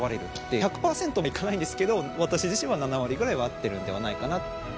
１００％はいかないんですけど、私自身は７割ぐらいは合ってるんではないかな。